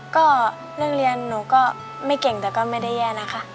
ก็เรื่องเรียนหนูก็ไม่เก่งแต่ก็ไม่ได้แย่นะคะ